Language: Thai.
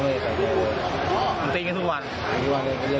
ไปโบกรถจักรยานยนต์ของชาวอายุขวบกว่าเองนะคะ